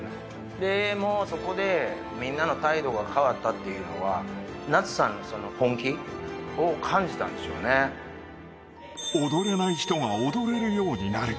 でもそこでみんなの態度が変わったっていうのは、夏さんのその本踊れない人が踊れるようになる。